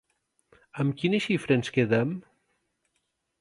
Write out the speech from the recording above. Amb quina xifra ens quedem?